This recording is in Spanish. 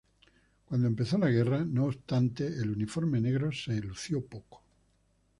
Cuando empezó la guerra, no obstante, el uniforme negro se lució poco.